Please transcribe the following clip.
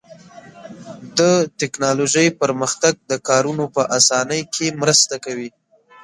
د تکنالوژۍ پرمختګ د کارونو په آسانۍ کې مرسته کوي.